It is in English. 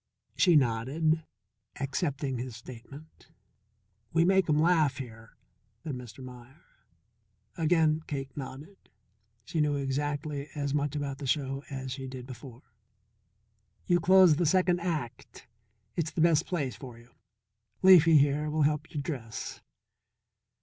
She nodded, accepting his statement. "We make 'em laugh here," said Mr. Meier. Again Cake nodded; she knew exactly as much about the show as she did before. "You close the second act; it's the best place for you. Leafy, here, will help you dress."